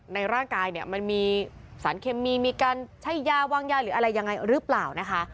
ในร่างกายเนี่ยมันมีสารเคมีมีการใช้ยาวางยาหรืออะไรยังไงหรือเปล่านะคะ